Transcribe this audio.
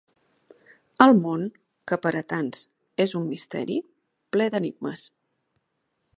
El món, que per a tants és un misteri plè d'enigmes